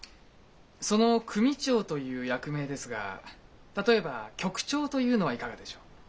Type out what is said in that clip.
その組長という役名ですが例えば局長というのはいかがでしょう？